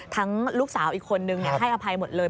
ลูกสาวอีกคนนึงให้อภัยหมดเลย